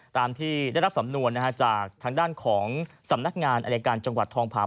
ตามที่ได้รับสำนวนจากทางด้านของสำนักงานอายการจังหวัดทองผา